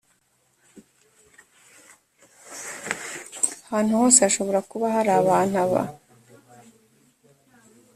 hantu hose hashobora kuba hari abantu aba